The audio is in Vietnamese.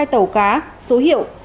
hai tàu cá số hiệu